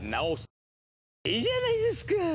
これでいいじゃないですかぁ！